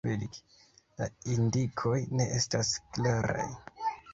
La indikoj ne estas klaraj.